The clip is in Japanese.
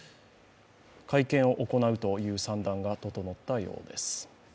会見を行うという算段が整ったようです。